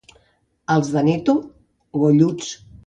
Els d'Aneto, golluts.